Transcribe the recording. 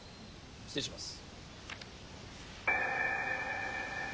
失礼します。